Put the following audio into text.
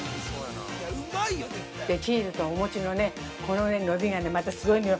チーズとお餅のね、このね、伸びがまたすごいのよ。